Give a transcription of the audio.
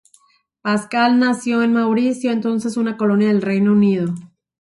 Pascal nació en Mauricio, entonces una colonia del Reino Unido.